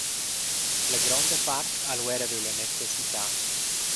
La gronda part ha lu era viu la necessitad.